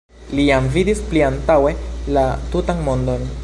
Li jam vidis pliantaŭe la tutan mondon.